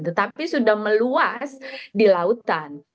tetapi sudah meluas di lautan